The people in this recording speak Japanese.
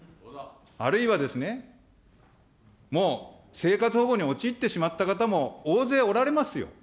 あるいはですね、もう生活保護に陥ってしまった方も大勢おられますよ。